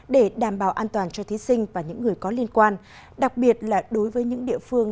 để đảm bảo an toàn cho thí sinh và những người có liên quan đặc biệt là đối với những địa phương